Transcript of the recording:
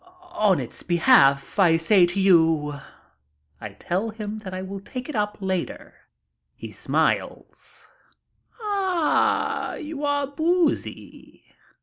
On its behalf, I say to you—" I tell him that I will take it up later. He smiles, "Ah, you are boozy."